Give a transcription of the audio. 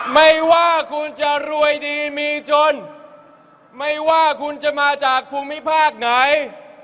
ไม่ว่าคุณจะรวยดีมีจนไม่ว่าคุณจะมาจากภูมิภาคไหน